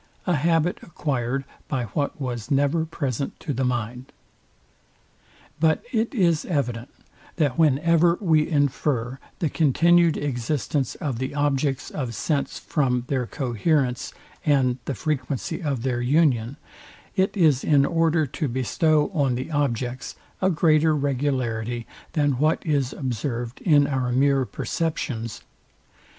a habit acquired by what was never present to the mind. But it is evident, that whenever we infer the continued existence of the objects of sense from their coherence, and the frequency of their union, it is in order to bestow on the objects a greater regularity than what is observed in our mere perceptions.